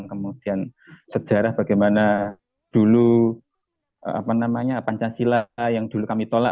kemudian sejarah bagaimana dulu pancasila yang dulu kami tolak